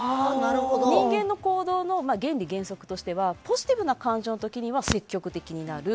人間の行動の原理原則としてはポジティブな感情の時には積極的になる。